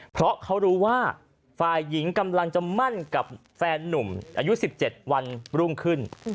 เพราะเขารู้ว่าฝ่ายหญิงกำลังจะมั่นกับแฟนนุ่มอายุ๑๗วันรุ่งขึ้น